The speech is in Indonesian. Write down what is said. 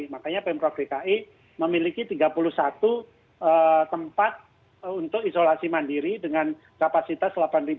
makanya pemprov dki memiliki tiga puluh satu tempat untuk isolasi mandiri dengan kapasitas delapan ratus